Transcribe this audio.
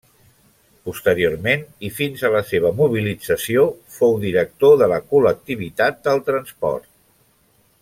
Posteriorment, i fins a la seva mobilització, fou director de la col·lectivitat del transport.